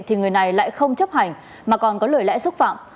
thì người này lại không chấp hành mà còn có lời lẽ xúc phạm